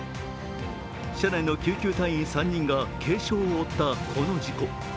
車内の救急隊員３人が軽傷を負ったこの事故。